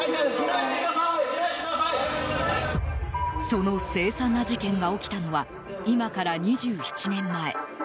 その凄惨な事件が起きたのは今から２７年前。